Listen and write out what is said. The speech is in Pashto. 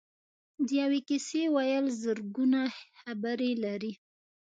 د یوې کیسې ویل زرګونه خبرې لري.